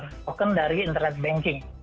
token dari internet banking